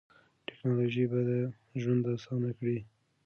ټیکنالوژي به ژوند اسانه کړي.